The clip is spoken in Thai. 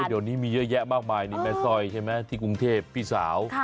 เดี๋ยวนี้มีเยอะแยะมากมายนี่แม่สร้อยใช่ไหมที่กรุงเทพพี่สาว